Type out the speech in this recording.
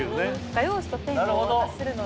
画用紙とペンをお渡しするので。